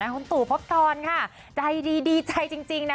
ของตูพบกรณ์ค่ะใดดีดีใจจริงนะ